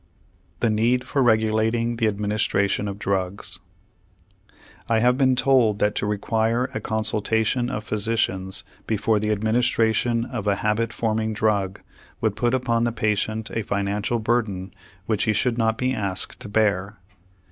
THE NEED FOR REGULATING THE ADMINISTRATION OF DRUGS I have been told that to require a consultation of physicians before the administration of a habit forming drug would put upon the patient a financial burden which he should not be asked to bear.